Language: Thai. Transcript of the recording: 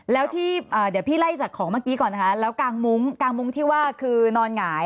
แล้วที่เดี๋ยวพี่ไล่จากของเมื่อกี้ก่อนนะคะแล้วกางมุ้งกางมุ้งที่ว่าคือนอนหงาย